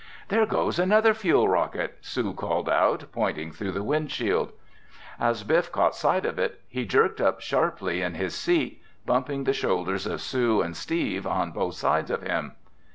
"There goes another fuel rocket!" Sue called out, pointing through the windshield. As Biff caught sight of it, he jerked up sharply in his seat, bumping the shoulders of Sue and Steve on both sides of him.